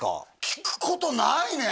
聞くことないね！